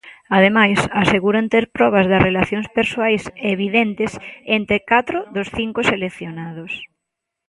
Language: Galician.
Ademais, aseguran ter probas das relacións persoais "evidentes" entre catro dos cinco seleccionados.